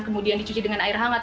kemudian dicuci dengan air hangat